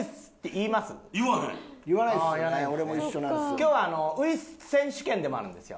今日はあのウイッス選手権でもあるんですよ。